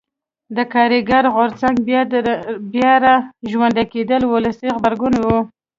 د کارګر غورځنګ بیا را ژوندي کېدل ولسي غبرګون و.